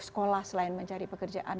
sekolah selain mencari pekerjaan